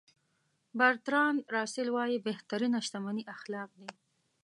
برتراند راسل وایي بهترینه شتمني اخلاق دي.